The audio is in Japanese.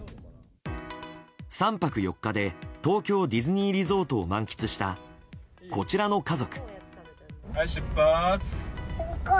３泊４日で東京ディズニーリゾートを満喫したこちらの家族。